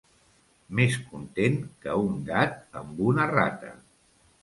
Més content que un gat amb una rata.